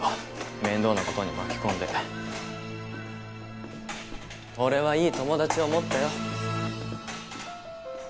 面倒なことに巻き込んで俺はいい友達を持ったよ